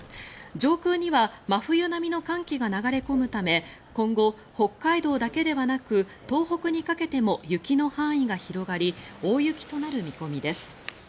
上空には真冬並みの寒気が流れ込むため今後、北海道だけではなく東北にかけても雪の範囲が広がり大雪となる見込みです。